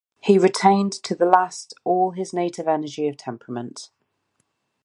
He retained to the last all his native energy of temperament.